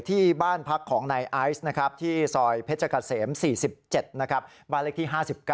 ที่บ้านพักของนายไอซ์ที่ซอยเพชรกาเสม๔๗บาลิกที่๕๙